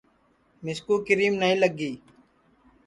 مِسکُو کیرم نائی لگی